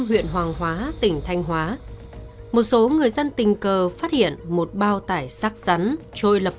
huyện hoàng hóa tỉnh thanh hóa một số người dân tình cờ phát hiện một bao tải sắc rắn trôi lập